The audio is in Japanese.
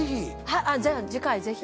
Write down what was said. じゃあ次回ぜひ。